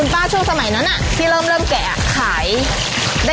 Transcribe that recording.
พอตื่นเช้าขึ้นมา